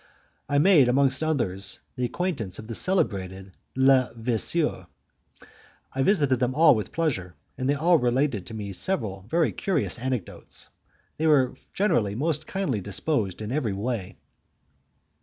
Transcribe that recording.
I made, amongst others, the acquaintance of the celebrated Le Vasseur. I visited them all with pleasure, and they related to me several very curious anecdotes. They were generally most kindly disposed in every way.